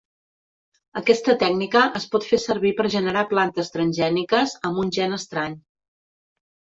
Aquesta tècnica es pot fer servir per generar plantes transgèniques amb un gen estrany.